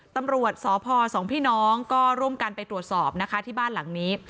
ตำรวจสพสองพี่น้องก็ร่วมกันไปตรวจสอบนะคะที่บ้านหลังนี้